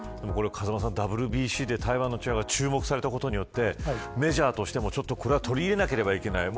風間さん、ＷＢＣで台湾のチアが注目されたことによってメジャーとしてもこれは取り入れなきゃいけない。